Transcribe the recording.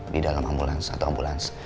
di dalam ambulans atau ambulans